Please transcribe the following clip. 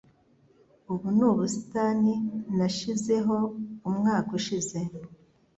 Ubu ni ubusitani nashizeho umwaka ushize